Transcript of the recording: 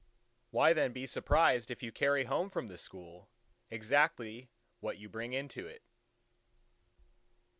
Why then be surprised if you carry home from the School exactly what you bring into it?